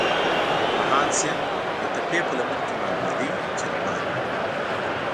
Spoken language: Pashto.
بهاند سیند د تپې په لمن کې معلومېده، چې روان وو.